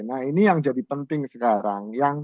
nah ini yang jadi penting sekarang